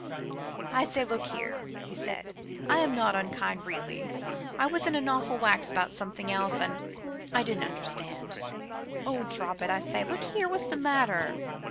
"I say, look here," he said; "I am not unkind, really. I was in an awful wax about something else, and I didn't understand. Oh! drop it. I say, look here, what's the matter?